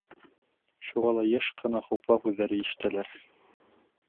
Шуға ла йыш ҡына хуплау һүҙҙәре ишетәләр.